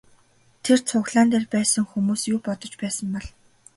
Тэр цуглаан дээр байсан хүмүүс юу бодож байсан бол?